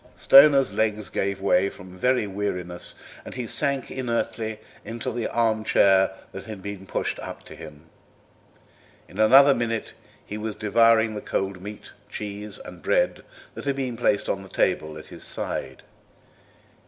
Stoner's legs gave way from very weariness, and he sank inertly into the arm chair that had been pushed up to him. In another minute he was devouring the cold meat, cheese, and bread, that had been placed on the table at his side.